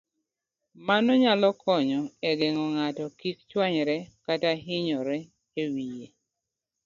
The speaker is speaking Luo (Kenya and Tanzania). Mano nyalo konyo e geng'o ng'ato kik chwanyre kata hinyore e wiye.